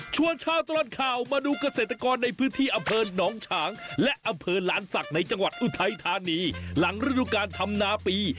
ชาวตลอดข่าวมาดูเกษตรกรในพื้นที่อำเภอหนองฉางและอำเภอหลานศักดิ์ในจังหวัดอุทัยธานีหลังฤดูการทำนาปี